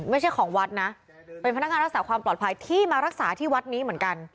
ไม่ใช่ของวัดนะเป็นพนักงานรักษาความปลอดภัยที่มารักษาที่วัดนี้เหมือนกัน